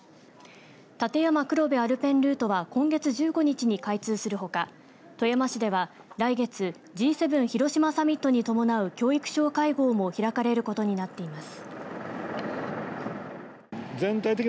立山黒部アルペンルートは今月１５日に開通するほか富山市では来月、Ｇ７広島サミットに伴う教育相会合も開かれることになっています。